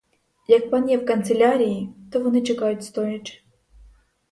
Як пан є в канцелярії, то вони чекають стоячи.